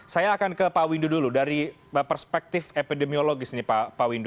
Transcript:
saya akan ke pak windu dulu dari perspektif epidemiologis nih pak windu